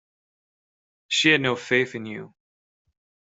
She had no faith in you.